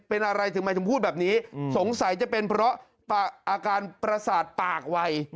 เป็นอะไรถึงไม่ถึงพูดแบบนี้อืมสงสัยจะเป็นเพราะปากอาการปราศาสตร์ปากไว